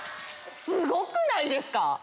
すごくないですか？